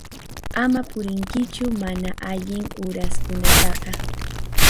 Ama purinkichu mana allin uraskunataqa.